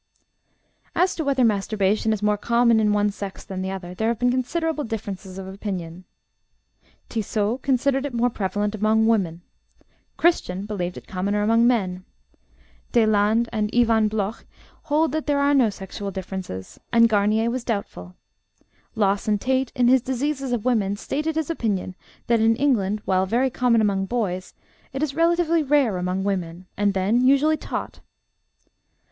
As to whether masturbation is more common in one sex than the other, there have been considerable differences of opinion. Tissot considered it more prevalent among women; Christian believed it commoner among men; Deslandes and Iwan Bloch hold that there are no sexual differences, and Garnier was doubtful. Lawson Tait, in his Diseases of Women, stated his opinion that in England, while very common among boys, it is relatively rare among women, and then usually taught.